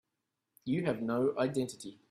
You have no identity.